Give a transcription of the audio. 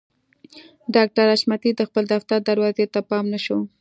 ډاکټر حشمتي د خپل دفتر دروازې ته پام نه شو